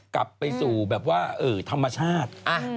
กลับไปสู่แบบว่าธรรมชาติ